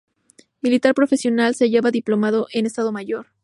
Militar profesional, se hallaba diplomado en Estado Mayor.